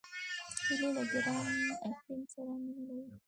هیلۍ له ګرم اقلیم سره مینه لري